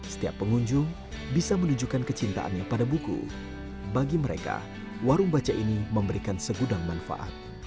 pertama warung baca ini memiliki permintaannya pada buku bagi mereka warung baca ini memberikan segudang manfaat